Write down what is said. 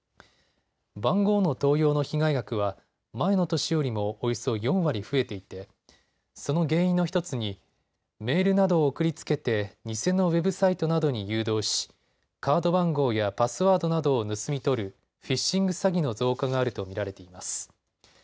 番号の盗用の被害額は前の年よりもおよそ４割増えていてその原因の１つにメールなどを送りつけて偽のウェブサイトなどに誘導しカード番号やパスワードなどを盗み取るフィッシング詐欺の増加があると見られています。